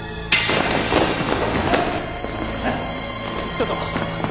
ちょっと。